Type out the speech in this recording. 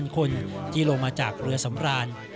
๑๕๐๐๒๐๐๐คนที่ลงมาจากเรือสำราญ